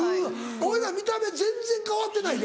俺ら見た目全然変わってないで。